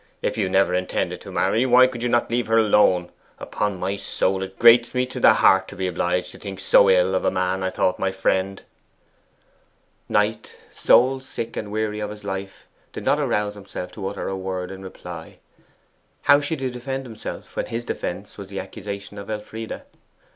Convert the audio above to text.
If you never intended to marry, why could you not leave her alone? Upon my soul, it grates me to the heart to be obliged to think so ill of a man I thought my friend!' Knight, soul sick and weary of his life, did not arouse himself to utter a word in reply. How should he defend himself when his defence was the accusation of Elfride?